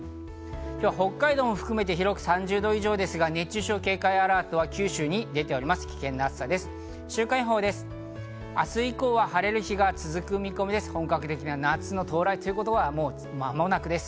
今日は北海道も含めて広く３０度以上ですが熱中症警戒アラートは九州に出ております。